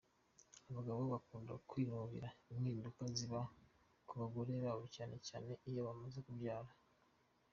Abagabo bakunda kwinubira impinduka ziba ku bagore babo cyane cyane iyo bamaze kubyara.